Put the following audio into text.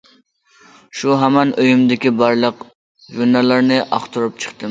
شۇ ھامان ئۆيۈمدىكى بارلىق ژۇرناللارنى ئاختۇرۇپ چىقتىم.